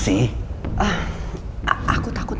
sggak ada yang neuen dah koy evan